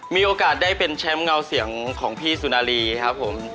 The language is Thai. มีโอกาสได้เป็นแชมป์เงาเสียงของพี่สุนารีครับผม